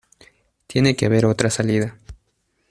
Tiene que haber otra salida.